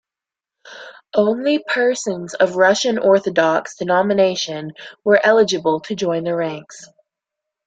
Only persons of Russian Orthodox denomination were eligible to join the ranks.